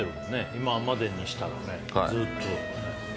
今までにしたらね、ずっと。